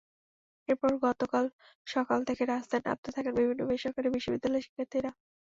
এরপর গতকাল সকাল থেকে রাস্তায় নামতে থাকেন বিভিন্ন বেসরকারি বিশ্ববিদ্যালয়ের শিক্ষার্থীরা।